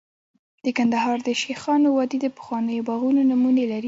د کندهار د شیخانو وادي د پخوانیو باغونو نمونې لري